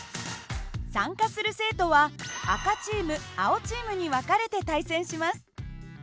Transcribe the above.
参加する生徒は赤チーム青チームに分かれて対戦します。